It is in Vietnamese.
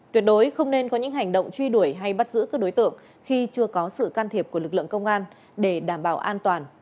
tuyệt đối không nên có những hành động truy đuổi hay bắt giữ các đối tượng khi chưa có sự can thiệp của lực lượng công an để đảm bảo an toàn